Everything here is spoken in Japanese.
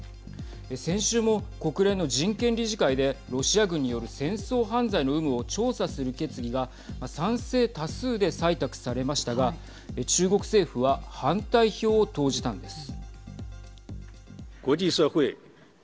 先週も国連の人権理事会でロシア軍による戦争犯罪の有無を調査する決議が賛成多数で採択されましたが中国政府は反対票を投じたのです。